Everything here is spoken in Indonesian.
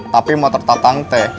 tapi mau tertatang teh